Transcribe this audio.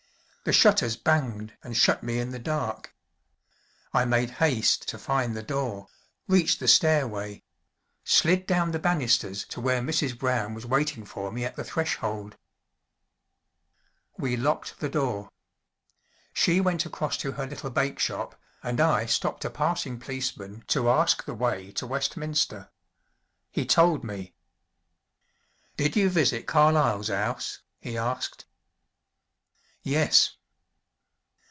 The shutters banged, and shut me in the dark. I made haste to find the door, reached the stairway slid down the banisters to where Mrs. Brown was waiting for me at the threshold. We locked the door. She went across to her little bakeshop and I stopped a passing policeman to ask the way to Westminster. He told me. "Did you visit Carlyle's 'ouse?" he asked. "Yes."